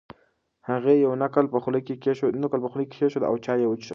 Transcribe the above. هغې یو نقل په خوله کې کېښود او چای یې وڅښل.